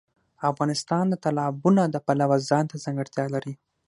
افغانستان د تالابونه د پلوه ځانته ځانګړتیا لري.